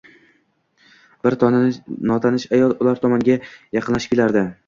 Bir notanish ayol ular tomonga yaqinlashib kelardi